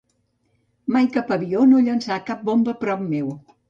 Mai cap avió no llançà cap bomba prop meu